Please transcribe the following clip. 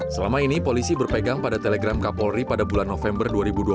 selama ini polisi berpegang pada telegram kapolri pada bulan november dua ribu dua puluh